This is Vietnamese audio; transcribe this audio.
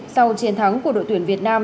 sau chiến thắng của đội tuyển việt nam